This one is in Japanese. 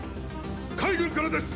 海軍からです！